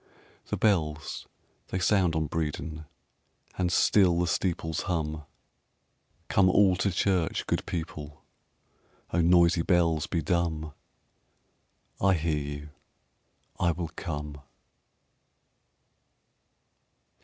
The bells they sound on Bredon, And still the steeples hum. "Come all to church, good people," Oh, noisy bells, be dumb; I hear you, I will come.